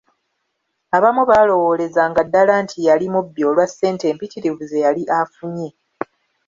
Abamu baalowoolezanga ddala nti yali mubbi olwa ssente empitirivu zeyali afunye!